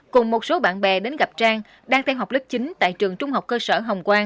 cùng một số bạn bè đến gặp trang đang theo học lớp chín tại trường trung học cơ sở hồng quang